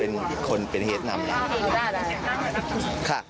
เออวันนี้พี่ยังทำงานด้วยนะครับ